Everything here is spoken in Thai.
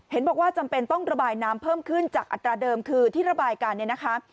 เห็นบอกว่าจำเป็นต้องระบายน้ำเพิ่มขึ้นจากอัตราเดิมคือที่ระบายกันเนี่ยนะคะ